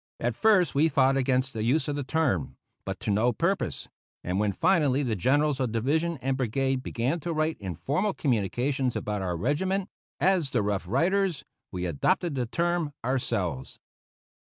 At first we fought against the use of the term, but to no purpose; and when finally the Generals of Division and Brigade began to write in formal communications about our regiment as the "Rough Riders," we adopted the term ourselves.